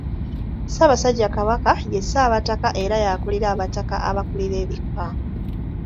Ssaabasajja Kabaka ye Ssaabataka era y'akulira abataka abakulira ebika.